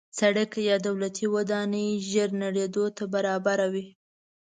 سړک یا دولتي ودانۍ ژر نړېدو ته برابره وي.